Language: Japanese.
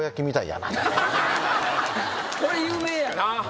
これ有名やな。